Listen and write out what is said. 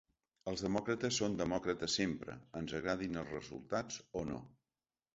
Els demòcrates són demòcrates sempre, ens agradin els resultats o no.